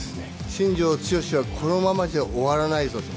新庄剛志はこのままじゃ終わらないぞと。